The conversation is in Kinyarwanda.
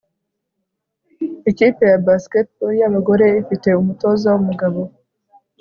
Ikipe ya basketball yabagore ifite umutoza wumugabo